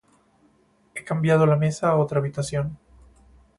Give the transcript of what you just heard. He cambiado la mesa a otra habitación.